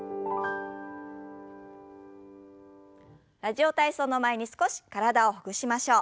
「ラジオ体操」の前に少し体をほぐしましょう。